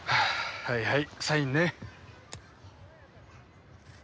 はいはいサインね。